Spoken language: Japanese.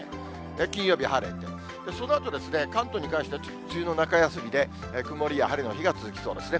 金曜日晴れて、そのあと、関東に関しては梅雨の中休みで、曇りや晴れの日が続きそうですね。